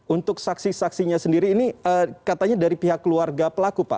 untuk saksi saksinya sendiri ini katanya dari pihak keluarga pelaku pak